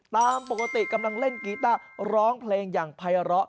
ตามปกติกำลังเล่นกีต้าร้องเพลงอย่างภัยร้อ